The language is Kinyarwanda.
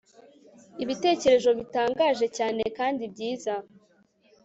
ibitekerezo bitangaje cyane kandi byiza